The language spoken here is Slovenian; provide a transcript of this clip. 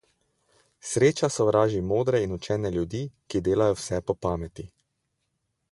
Sreča sovraži modre in učene ljudi, ki delajo vse po pameti.